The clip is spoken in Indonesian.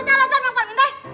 gak usah alasan bang pak minta